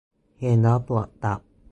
เห็น แล้วปวดตับ